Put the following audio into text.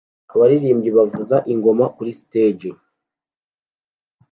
Abaririmbyi bavuza ingoma kuri stage